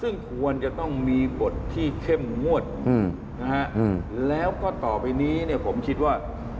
ซึ่งควรจะต้องมีบทที่เข้มงวดนะฮะแล้วก็ต่อไปนี้เนี่ยผมคิดว่า